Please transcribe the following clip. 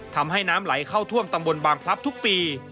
ทำให้น้ำไหลเข้าท่วมตำบลบางพลับทุกปี